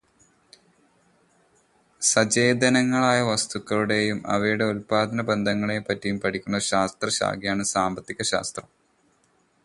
സചേതനങ്ങളായ വസ്തുക്കളുടെയും അവയുടെ ഉൽപാദനബന്ധങ്ങളെപ്പറ്റിയും പഠിക്കുന്ന ശാസ്ത്രശാഖയാണ് സാമ്പത്തിക ശാസ്ത്രം.